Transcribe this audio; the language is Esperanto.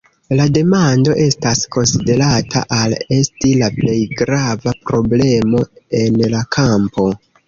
La demando estas konsiderata al esti la plej grava problemo en la kampo.